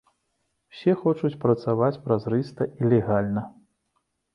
Усе хочуць працаваць празрыста і легальна.